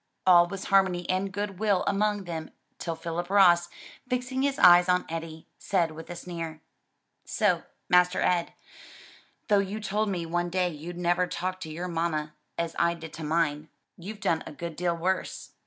All was harmony and good will among them till Philip Ross, fixing his eyes on Eddie, said with a sneer, "So, Master Ed, though you told me one day you'd never talk to your mamma as I did to mine, you've done a good deal worse.